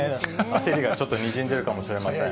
焦りがちょっとにじんでるかもしれません。